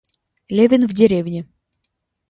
Левин в деревне.